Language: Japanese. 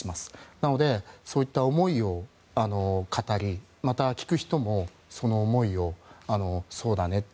なのでそういった思いを語りまた、聞く人もその思いを、そうだねと。